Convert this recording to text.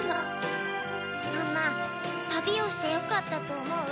ママ旅をしてよかったと思う？